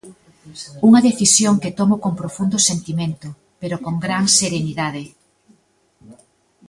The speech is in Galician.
Unha decisión que tomo con profundo sentimento, pero con gran serenidade.